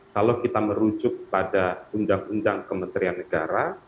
kalau kita merujuk pada undang undang kementerian negara